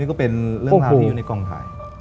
ก็เป็นเรื่องราวที่อยู่ในกองถ่าย